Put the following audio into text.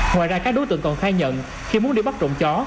ngoài ra các đối tượng còn khai nhận khi muốn đi bắt trộm chó